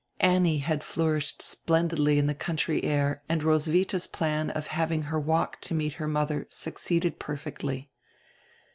Annie had flourished splendidly in the country air and Roswitha's plan of having her walk to meet her mother suc ceeded perfectly.